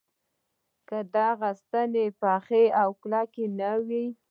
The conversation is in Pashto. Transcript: که دغه ستنې پخې او کلکې نه وي.